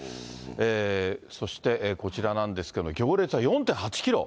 そしてこちらなんですけれども、行列は４．８キロ？